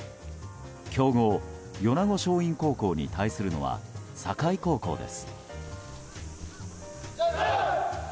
強豪・米子松蔭高校に対するのは境高校です。